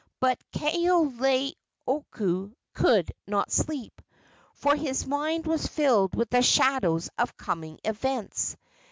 But Kaoleioku could not sleep, for his mind was filled with the shadows of coming events.